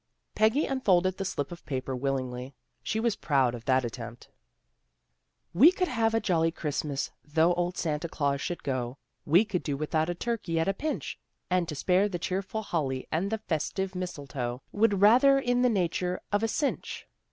" Peggy unfolded the slip of paper willingly. She was proud of that attempt. 176 THE GIRLS OF FRIENDLY TERRACE " We could have a jolly Christmas though old Santa Glaus should go. We could do without a turkey at a pinch. And to spare the cheerful holly and the festive mistletoe Would be rather in the nature of a cinch.